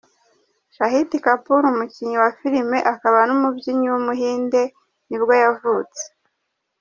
Shahid Kapoor, umukinnyi wa filime akaba n’umubyinnyi w’umuhinde nibwo yavutse.